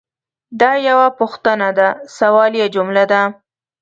دا یوه پوښتنه ده – سوالیه جمله ده.